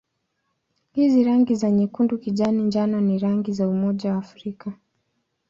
Hizi rangi za nyekundu-kijani-njano ni rangi za Umoja wa Afrika.